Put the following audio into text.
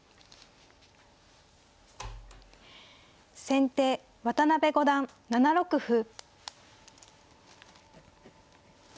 先手渡辺五段７六歩。